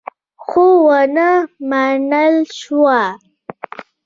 خو ونه منل شوه.